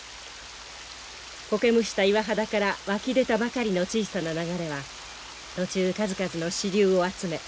苔むした岩肌から湧き出たばかりの小さな流れは途中数々の支流を集め